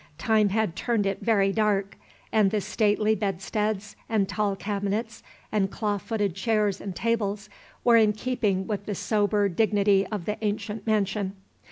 Time had turned it very dark, and the stately bedsteads and tall cabinets and claw footed chairs and tables were in keeping with the sober dignity of the ancient mansion.